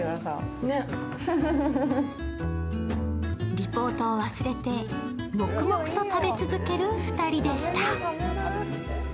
リポートを忘れて黙々と食べ続ける２人でした。